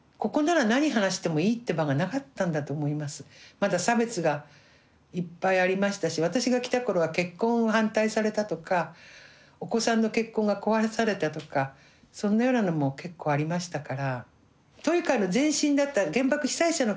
まだ差別がいっぱいありましたし私が来た頃は結婚を反対されたとかお子さんの結婚が壊されたとかそんなようなのも結構ありましたから。